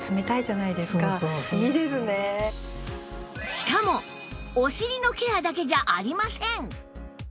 しかもお尻のケアだけじゃありません